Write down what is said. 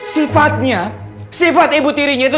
sifatnya sifat ibu tirinya itu